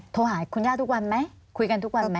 โทรหาคุณย่าทุกวันไหมคุยกันทุกวันไหม